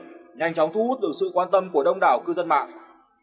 nhanh chóng thu hút được sự quan tâm của đông đảo cư dân mạng